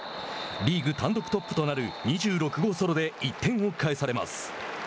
リーグ単独トップとなる２６号ソロで１点を返されます。